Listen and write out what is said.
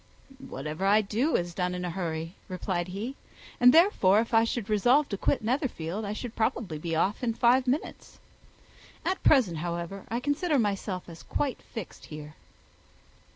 "Whatever I do is done in a hurry," replied he; "and therefore if I should resolve to quit Netherfield, I should probably be off in five minutes. At present, however, I consider myself as quite fixed here."